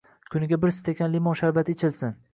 Kuniga bir stakan limon sharbati ichilsin.